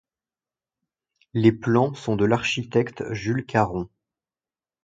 Les plans sont de l'architecte Jules Caron.